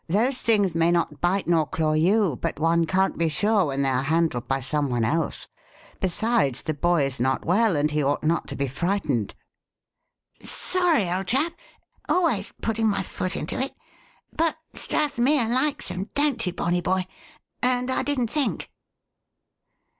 "Those things may not bite nor claw you, but one can't be sure when they are handled by some one else. Besides, the boy is not well and he ought not to be frightened." "Sorry, old chap always puttin' my foot into it. But Strathmere likes 'em, don't you, bonny boy? and I didn't think."